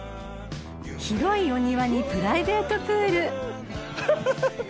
［広いお庭にプライベートプール！］